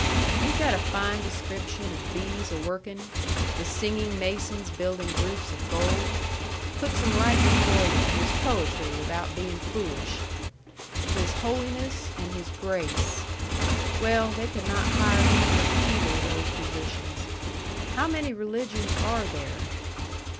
"Ain't that a fine description of bees a workin'? 'The singing masons building roofs of gold!' Puts 'em right before yu', and is poetry without bein' foolish. His Holiness and his Grace. Well, they could not hire me for either o' those positions. How many religions are there?"